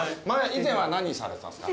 以前は何されてたんですか？